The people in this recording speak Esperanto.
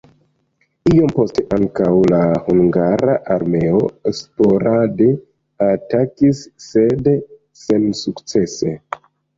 Iom poste ankaŭ la hungara armeo sporade atakis, sed sensukcese.